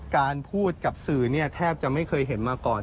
การพูดกับสื่อแทบจะไม่เคยเห็นมาก่อน